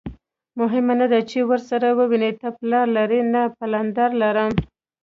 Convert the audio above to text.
مهمه نه ده چې ورسره ووینې، ته پلار لرې؟ نه، پلندر لرم.